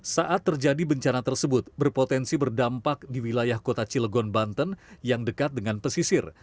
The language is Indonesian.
saat terjadi bencana tersebut berpotensi berdampak di wilayah kota cilegon banten yang dekat dengan pesisir